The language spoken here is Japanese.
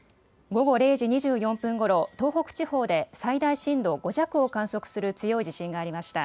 午後０時２４分ごろ、東北地方で最大震度５弱を観測する強い地震がありました。